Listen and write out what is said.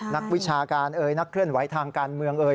นักวิชาการเอ่ยนักเคลื่อนไหวทางการเมืองเอ่ย